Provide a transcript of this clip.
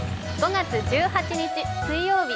５月１８日水曜日。